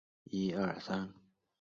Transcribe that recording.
传授给同郡的田王孙。